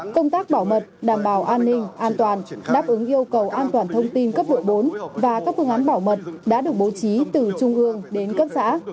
công tác bảo mật đảm bảo an ninh an toàn đáp ứng yêu cầu an toàn thông tin cấp độ bốn và các phương án bảo mật đã được bố trí từ trung ương đến cấp xã